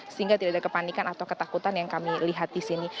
sehingga tidak ada kepanikan atau ketakutan yang kami lihat di sini